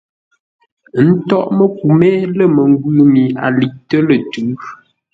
Ə́ ntôghʼ məku mé lə̂ məngwʉ̂ mi a liʼtə́ lə̂ tʉ̌.